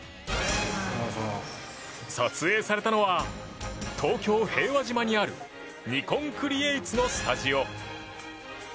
撮影されたのは東京・平和島にあるニコンクリエイツのスタジオ。